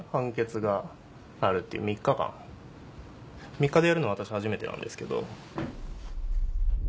３日でやるのは私初めてなんですけど。